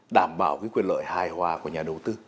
đảm bảo quyền lợi hài hòa của nhà đầu tư